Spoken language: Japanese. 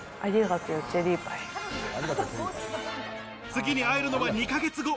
次に会えるのは２ヶ月後。